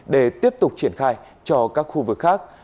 để tiếp tục triển khai cho các khu vực khác